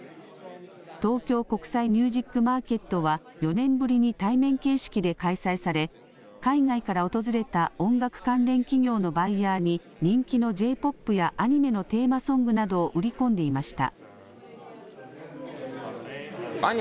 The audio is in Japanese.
東京国際ミュージック・マーケットは４年ぶりに対面形式で開催され海外から訪れた音楽関連企業のバイヤーに人気のＪ−ＰＯＰやアニメのテーマソングなどを売り込んでいました。